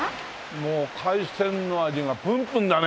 もう海鮮の味がぷんぷんだね！